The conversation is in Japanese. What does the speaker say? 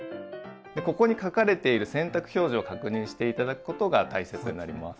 ここに書かれている洗濯表示を確認して頂くことが大切になります。